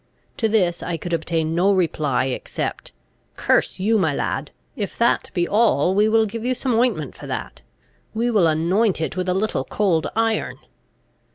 To this I could obtain no reply, except "Curse you, my lad! if that be all, we will give you some ointment for that; we will anoint it with a little cold iron."